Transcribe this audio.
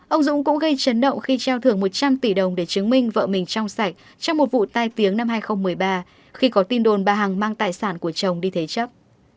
ông dũng cũng gây chấn động khi trao thưởng một trăm linh tỷ đồng để chứng minh vợ mình trong sạch trong một vụ tai tiếng năm hai nghìn một mươi ba khi có tin đồn bà hằng mang tài sản của chồng đi thế chấp